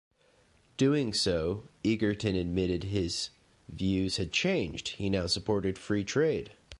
Doing so, Egerton admitted his views had changed; he now supported free trade.